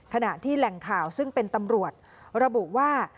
ขณะที่แหล่งข่าวซึ่งเป็นตำรวจระบุว่า